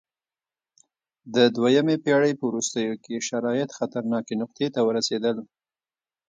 د دویمې پېړۍ په وروستیو کې شرایط خطرناکې نقطې ته ورسېدل